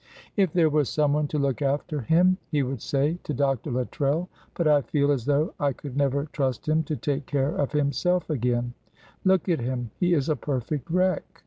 "If there were someone to look after him," he would say to Dr. Luttrell; "but I feel as though I could never trust him to take care of himself again; look at him, he is a perfect wreck."